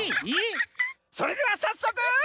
それではさっそく！